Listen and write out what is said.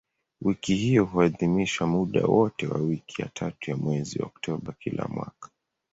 Wiki hiyo huadhimishwa muda wote wa wiki ya tatu ya mwezi Oktoba kila mwaka.